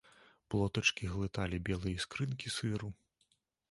Плотачкі глыталі белыя іскрынкі сыру.